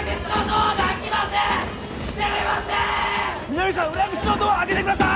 南さん裏口のドア開けてください